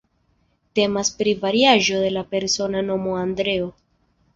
Temas pri variaĵo de la persona nomo Andreo.